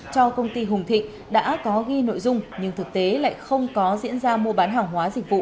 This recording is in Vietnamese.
cho công ty hùng thịnh đã có ghi nội dung nhưng thực tế lại không có diễn ra mua bán hàng hóa dịch vụ